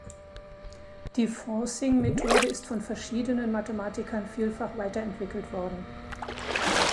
Die Forcing-Methode ist von verschiedenen Mathematikern vielfach weiterentwickelt worden.